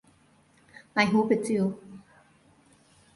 I hope it's you.